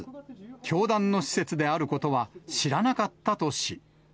教団の施設であることは知らなかったとし。